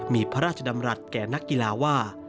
มีพระราชดำรัฐแก่นักกีฬาว่า